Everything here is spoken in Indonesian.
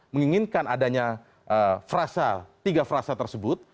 menginginkan adanya tiga frasa tersebut